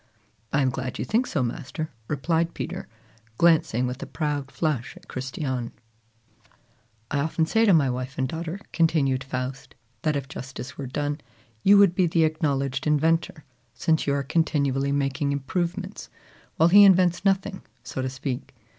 "I am glad you think so, master," replied Peter, glancing with a proud flush at Christiane. "I often say to my wife and daughter," continued Faust, "that if justice were done, you would be the acknowledged inventor, since you are continually making improvements, while he invents nothing, so to speak.